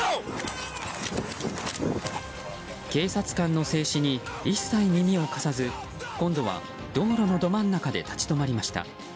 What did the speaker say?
警察官の制止に一切耳を貸さず今度は道路のど真ん中で立ち止まりました。